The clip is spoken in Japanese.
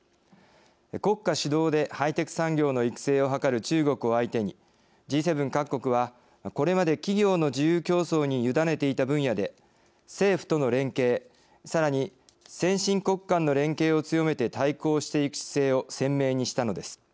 国家主導でハイテク産業の育成を図る中国を相手にＧ７各国はこれまで企業の自由競争に委ねていた分野で政府との連携さらに先進国間の連携を強めて対抗していく姿勢を鮮明にしたのです。